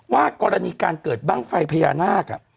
ว่ากรณีการเกิดบ้างไฟพญานาค